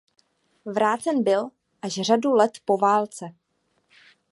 Vrácen byl až řadu let po válce.